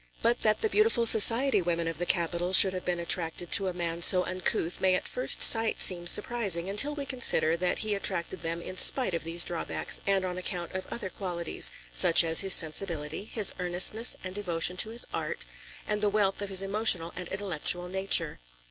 But that the beautiful society women of the capital should have been attracted to a man so uncouth may at first sight seem surprising, until we consider that he attracted them in spite of these drawbacks and on account of other qualities, such as his sensibility, his earnestness and devotion to his art, and the wealth of his emotional and intellectual nature.